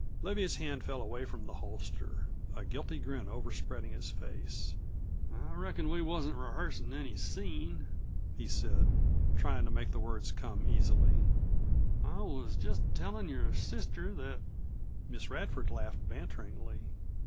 Leviatt's hand fell away from the holster, a guilty grin overspreading his face. "I reckon we wasn't rehearsin' any scene," he said, trying to make the words come easily. "I was just tellin' your sister that " Miss Radford laughed banteringly.